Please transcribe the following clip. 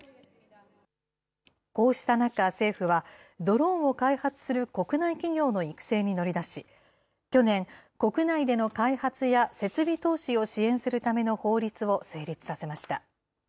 こうした中、政府は、ドローンを開発する国内企業の育成に乗り出し、去年、国内での開発や設備投資を支援するための法律を成立させました。